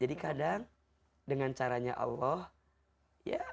jadi kadang dengan caranya allah ya membuat ada orang yang memaafkan allah gitu ya